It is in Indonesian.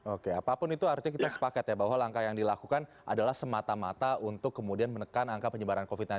oke apapun itu artinya kita sepakat ya bahwa langkah yang dilakukan adalah semata mata untuk kemudian menekan angka penyebaran covid sembilan belas